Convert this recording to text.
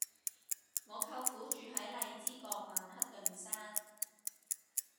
我舅父住喺荔枝角曼克頓山